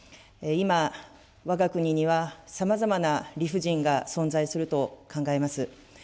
今、わが国にはさまざまな理不尽が存在すると考えます。